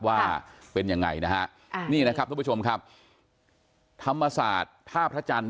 ว่าเป็นยังไงนะฮะนี่นะครับทุกผู้ชมครับธรรมศาสตร์ท่าพระจันทร์